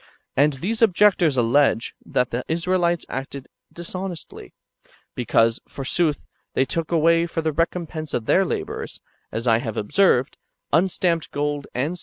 And [these objectors] allege that [the Israelites] acted dishonestly, because, forsooth, they took away for the recompense of their labours, as I have observed, unstamped gold and silver in a 1 Ex.